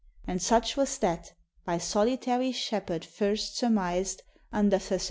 And such was that, By solitary shepherd first surmised 16 UNDER THE WILLOWS.